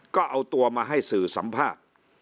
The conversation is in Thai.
ก็เอาตัวมาให้สื่อสัมภาษณ์